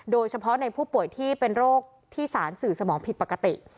โดยเฉพาะในผู้ป่วยที่เป็นโรคที่สารสื่อสมองผิดปกติ